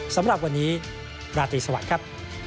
สำหรับวันนี้ราตรีสวัสดีครับ